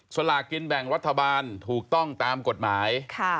สลากินแบ่งรัฐบาลถูกต้องตามกฎหมาย